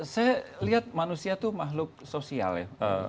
saya lihat manusia itu makhluk sosial ya